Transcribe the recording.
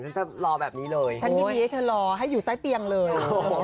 จะรอแบบนี้เลยฉันยินดีให้เธอรอให้อยู่ใต้เตียงเลย